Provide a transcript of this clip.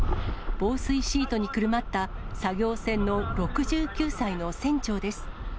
防水シートにくるまった作業船の６９歳の船長です。